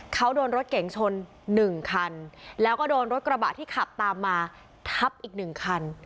เขาโดนรถเก๋งชน๑คันแล้วก็โดนรถกระบะที่ขับตามมาทับอีกหนึ่งคัน